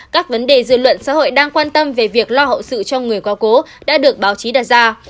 các vấn đề dư luận xã hội đang quan tâm về việc lo hậu sự cho người có cố đã được báo chí đặt ra